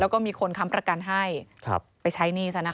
แล้วก็มีคนค้ำประกันให้ไปใช้หนี้ซะนะคะ